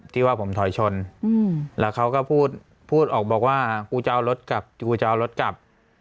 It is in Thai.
ที่ว่าผมถอยชนแล้วเขาก็พูดพูดออกบอกว่ากูจะเอารถกลับ